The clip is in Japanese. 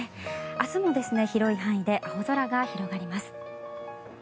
明日も広い範囲で青空が広がります。